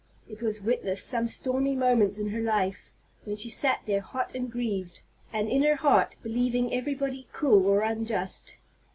It has witnessed some stormy moments in her life, when she sat there hot and grieved, and in her heart believing everybody cruel or unjust.